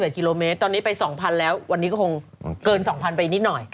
กิโลเมตรตอนนี้ไป๒๐๐๐แล้ววันนี้ก็คงเกิน๒๐๐ไปนิดหน่อย